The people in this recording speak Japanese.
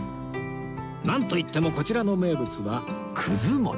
なんといってもこちらの名物はくず餅